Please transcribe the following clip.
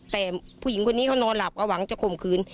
แต่ผู้หญิงคนนี้เขานอนหลับก็หวังจะข่มขืน